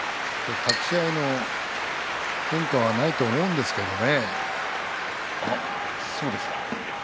立ち合いの変化はないと思うんですけどね。